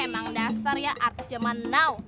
emang dasar ya artis zaman now